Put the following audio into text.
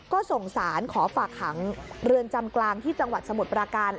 ก็ส่งสารขอฝากขังเรือนจำกลางที่จังหวัดสมุทรปราการ